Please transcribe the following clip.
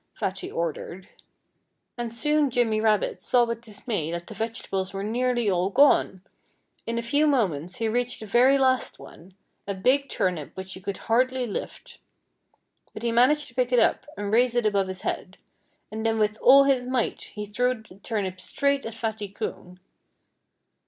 Fatty ordered. And soon Jimmy Rabbit saw with dismay that the vegetables were nearly all gone. In a few moments he reached the very last one a big turnip which he could hardly lift. But he managed to pick it up and raise it above his head. And then with all his might he threw the turnip straight at Fatty Coon.